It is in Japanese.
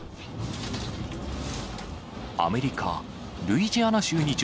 アメリカ・ルイジアナ州に上